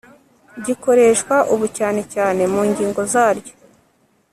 gikoreshwa ubu cyane cyane mu ngingo zaryo